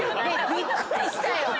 びっくりしたよ！